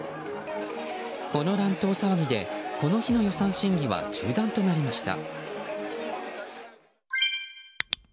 この乱闘騒ぎで、この日の予算審議は中断となりました。